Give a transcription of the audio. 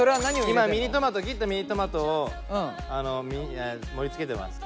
今ミニトマト切ったミニトマトを盛り付けてます。